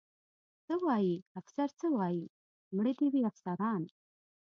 څه وایي؟ افسر څه وایي؟ مړه دې وي افسران.